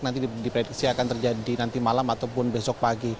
nanti diprediksi akan terjadi nanti malam ataupun besok pagi